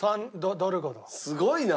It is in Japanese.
すごいな！